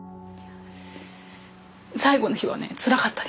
最後の日はねつらかったです